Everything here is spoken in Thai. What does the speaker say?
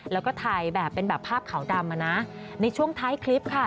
แล้วก็ถ่ายแบบเป็นแบบภาพขาวดำอ่ะนะในช่วงท้ายคลิปค่ะ